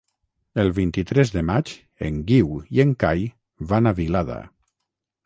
El vint-i-tres de maig en Guiu i en Cai van a Vilada.